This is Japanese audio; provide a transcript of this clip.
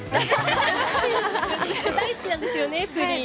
大好きなんですよね、プリン。